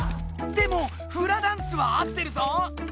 でも「フラダンス」は合ってるぞ！